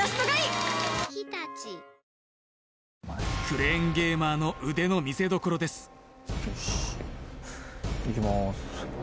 クレーンゲーマーの腕の見せどころですよしいきまーす